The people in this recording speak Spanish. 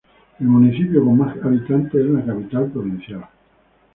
El municipio con más habitantes es la capital provincial.